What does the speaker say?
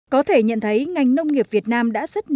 có thể nhận thấy ngành nông nghiệp việt nam đã rất nguy hiểm